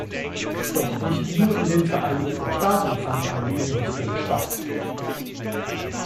Doch nicht nur in den Vereinigten Staaten fand eine Hinrichtung statt.